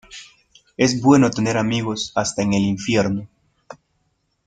Es bueno tener amigos hasta en el infierno.